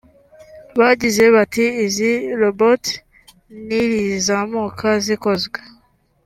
Bagize bati “Izi robots nirizamuka zikozwe